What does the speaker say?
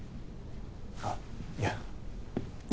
あっいや優